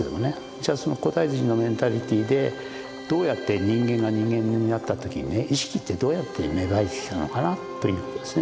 じゃあその古代人のメンタリティーでどうやって人間が人間になった時にね意識ってどうやって芽生えてきたのかなということですね。